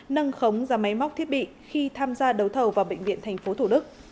nâng khống ra máy móc thiết bị khi tham gia đấu thầu vào bệnh viện tp thủ đức